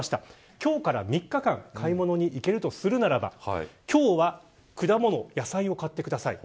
今日から３日間買い物に行けるとするならば今日は果物や野菜を買ってください。